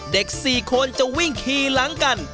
เด็ก๔คนจะวิ่งขี่หลังกัน